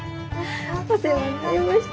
お世話になりました。